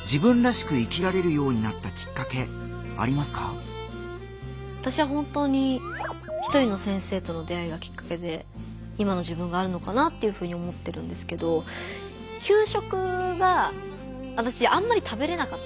高橋さんには私は本当に一人の先生との出会いがきっかけで今の自分があるのかなっていうふうに思ってるんですけど給食が私あんまり食べれなかったんですよ。